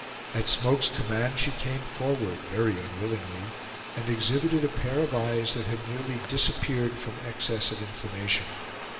At Smoke's command, she came forward, very unwillingly, and exhibited a pair of eyes that had nearly disappeared from excess of inflammation.